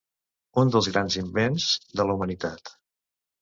Un dels grans invents de la humanitat.